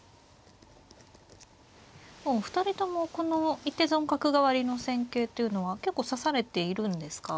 お二人ともこの一手損角換わりの戦型っていうのは結構指されているんですか。